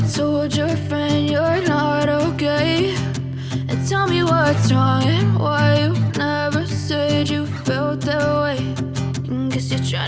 senyum sampai aku melihat